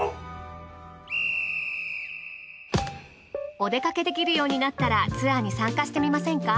お出かけできるようになったらツアーに参加してみませんか？